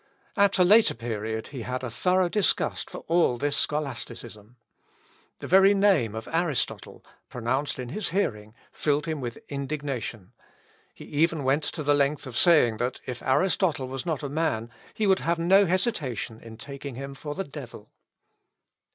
At a later period he had a thorough disgust for all this scholasticism. The very name of Aristotle, pronounced in his hearing, filled him with indignation; and he even went the length of saying, that if Aristotle was not a man, he would have no hesitation in taking him for the devil.